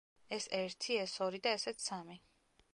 ეს ერთი, ეს ორი და ესეც სამი.